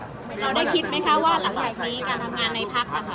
เราได้คิดไหมคะว่าหลังจากนี้การทำงานในพักนะคะ